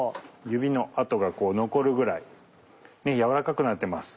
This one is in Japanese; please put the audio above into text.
指の跡が残るぐらい軟らかくなってます